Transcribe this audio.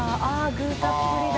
△具たっぷりだ。